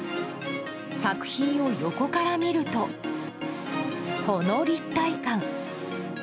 作品を横から見ると、この立体感。